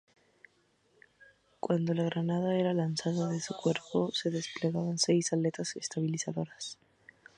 Cuando la granada era lanzada, de su cuerpo se desplegaban seis aletas estabilizadoras.